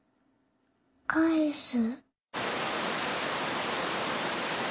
返す？